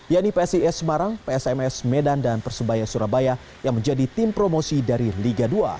yaitu psis semarang psms medan dan persebaya surabaya yang menjadi tim promosi dari liga dua